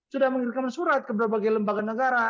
sudah mengirimkan surat ke berbagai lembaga negara